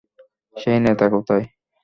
সেই নেতা কোথায়?